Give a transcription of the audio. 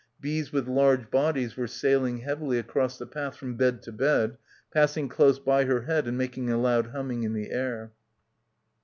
Bees with large bodies were sailing heavily across the path from bed to bed, passing close by her head and making a loud humming in the air.